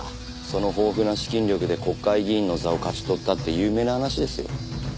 その豊富な資金力で国会議員の座を勝ち取ったって有名な話ですよ。